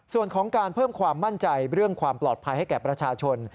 ส่วนของการเพิ่มความมั่นใจเรื่องความปลอดภัยให้แก่ประชาชน